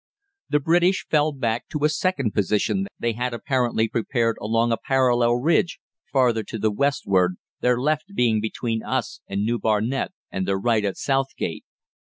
"The British fell back to a second position they had apparently prepared along a parallel ridge farther to the westward, their left being between us and New Barnet and their right at Southgate.